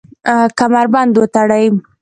کمربند وتړئ